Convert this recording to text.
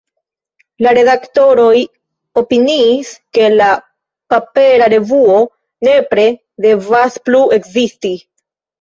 La redaktoroj opiniis, ke la papera revuo nepre devas plu ekzisti.